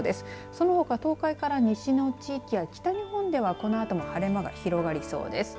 そのほか東海から西の地域や北日本では、このあとも晴れ間が広がりそうです。